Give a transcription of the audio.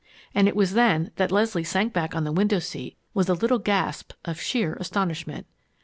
And it was then that Leslie sank back on the window seat with a little gasp of sheer astonishment.